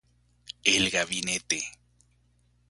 El Gabinete